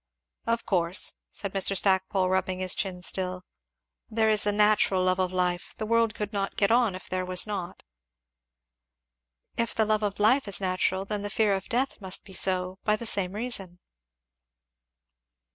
"Of course," said Mr. Stackpole, rubbing his chin still, there is a natural love of life the world could not get on if there was not." "If the love of life is natural, the fear of death must be so, by the same reason."